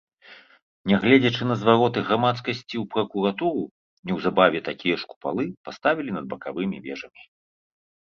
Нягледзячы на звароты грамадскасці ў пракуратуру, неўзабаве такія ж купалы паставілі над бакавымі вежамі.